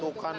oh itu kan